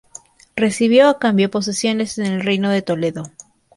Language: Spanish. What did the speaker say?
Recibió a cambio posesiones en el reino de Toledo.